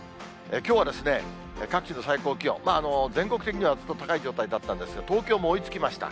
きょうは各地の最高気温、全国的にはずっと高い状態だったんですが、東京も追いつきました。